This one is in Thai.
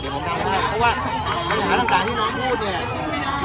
เดี๋ยวผมทำให้เพราะว่าปัญหาต่างที่น้องพูดเนี่ย